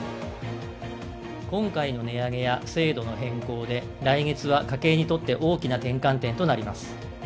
今回の値上げや制度の変更で、来月は家計にとって大きな転換点となります。